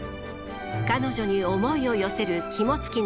彼女に思いを寄せる肝付尚